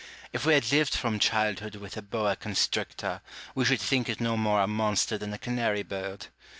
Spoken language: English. If we had lived from childhood with a hoa constrictor, we should think it no more a monster than a canary bird.